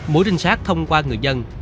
mũi tinh sát thông qua người dân